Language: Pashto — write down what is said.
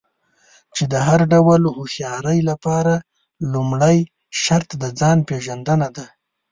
چې د هر ډول هوښيارۍ لپاره لومړی شرط د ځان پېژندنه ده.